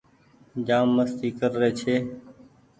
جآم مستي ڪر ري ڇي